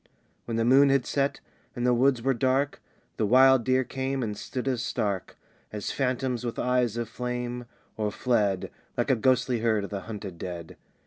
When the moon had set, and the woods were dark, The wild deer came, and stood as stark As phantoms with eyes of flame; or fled Like a ghostly herd of the hunted dead.